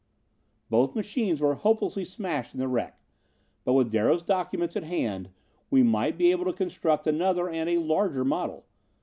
"Both machines were hopelessly smashed in the wreck, but with Darrow's documents at hand, we might be able to construct another and a larger model.